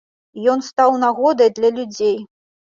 Ён стаў нагодай для людзей.